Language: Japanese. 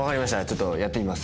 ちょっとやってみます。